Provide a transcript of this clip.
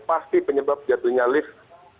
pasti penyebab jatuhnya lift